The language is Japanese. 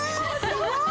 すごい！